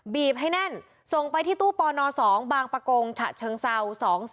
ให้แน่นส่งไปที่ตู้ปน๒บางประกงฉะเชิงเศร้า